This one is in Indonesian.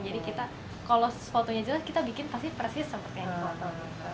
jadi kalau fotonya jelas kita bikin pasti persis seperti yang di foto